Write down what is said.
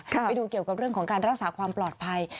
ไปดูเกี่ยวกับเรื่องของการรักษาความปลอดภัย